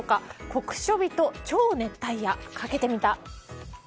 酷暑日と超熱帯夜かけてみた。